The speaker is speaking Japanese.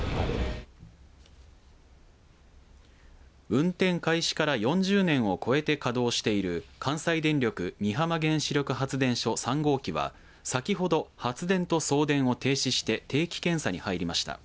運転開始から４０年を超えて稼働している関西電力美浜原子力発電所３号機は先ほど発電と送電を停止して定期検査に入りました。